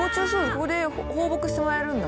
ここで放牧してもらえるんだ。